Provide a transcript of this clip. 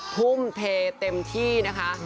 ทุ่มเทเต็มที่นะคะ